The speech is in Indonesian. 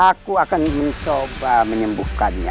aku akan mencoba menyembuhkannya